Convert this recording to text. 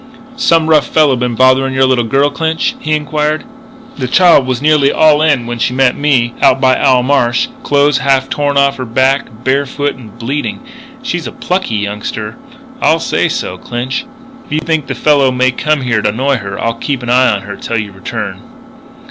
"Some rough fellow been bothering your little daughter, Clinch?" he inquired. "The child was nearly all in when she met me out by Owl Marsh clothes half torn off her back, bare foot and bleeding. She's a plucky youngster. I'll say so, Clinch. If you think the fellow may come here to annoy her I'll keep an eye on her till you return."